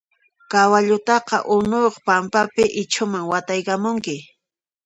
Kawallutaqa unuyuq pampapi ichhuman wataykamunki.